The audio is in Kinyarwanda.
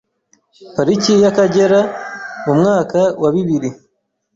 Pariki y’Akagera mu mwaka wa bibiri